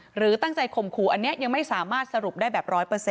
หรือตั้งใจข่มขู่อันนี้ยังไม่สามารถสรุปได้แบบ๑๐๐